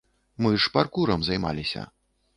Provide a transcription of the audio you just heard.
Мы ж паркурам займаліся.